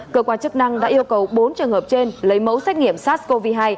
cơ quan chức năng đã yêu cầu bốn trường hợp trên lấy mẫu xét nghiệm sars cov hai